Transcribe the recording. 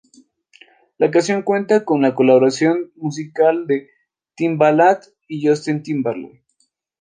La canción cuenta con la colaboración musical de Timbaland y Justin Timberlake.